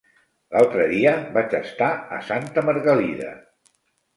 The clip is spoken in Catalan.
L'altre dia vaig estar a Santa Margalida.